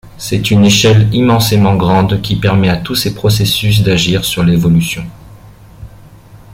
C’est une échelle immensément grande qui permet à tous ces processus d’agir sur l’évolution.